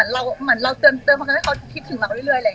เหมือนเราเติมพลังให้เขาคิดถึงเราเรื่อยเลย